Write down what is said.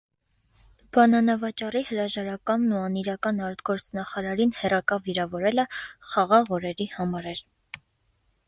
Բանանավաճառի հրաժարականն ու անիրական արտգործնախարարին հեռակա վիրավորելը խաղաղ օրերի համար էր: